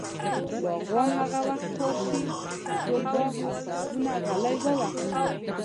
باغوان هغه وخت خوار شو، چې ټول باغ او فصلونه ږلۍ ووهل.